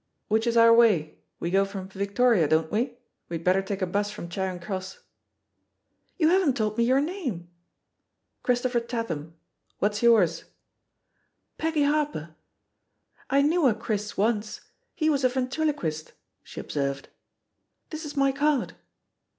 "Which is our way — ^we go from Victoria, don't we ? W^'d better take a bus from Charing Cross." "You haven't told me your name?'* "Christopher Tatham. What's yours?" *'^^SS7 Harper. I knew a *Chris' once; he was a ventriloquist," she obseired. "This is my card."